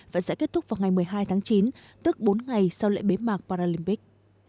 và sẽ kết thúc vào ngày một mươi hai tháng chín tức bốn ngày sau lễ bế mạc paralympic